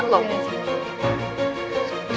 tidak bisa cuci